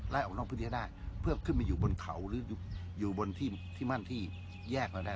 ออกนอกพื้นที่ให้ได้เพื่อขึ้นมาอยู่บนเขาหรืออยู่บนที่มั่นที่แยกเราได้